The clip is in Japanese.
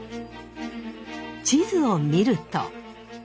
地図を見ると。